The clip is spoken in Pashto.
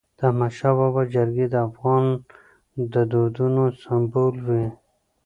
د احمدشاه بابا جرګي د افغان دودونو سمبول وي.